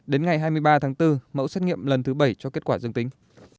đến ngày hai mươi ba tháng bốn mẫu xét nghiệm lần thứ bảy cho kết quả dương tính